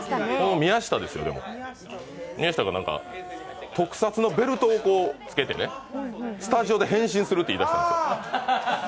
宮下が特撮のベルトを着けてスタジオで変身するって言い出したんですよ。